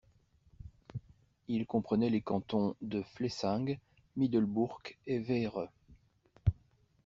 Il comprenait les cantons de Flessingue, Middelbourg et Veere.